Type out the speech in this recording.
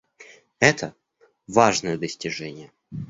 Это — важное достижение.